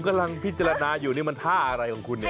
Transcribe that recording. กำลังพิจารณาอยู่นี่มันท่าอะไรของคุณเนี่ย